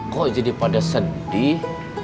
kau jadi pada sedih